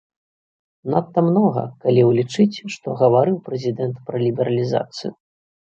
Надта многа, калі ўлічыць, што гаварыў прэзідэнт пра лібералізацыю.